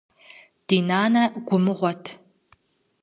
Ди нанэ гу мыгъуэт.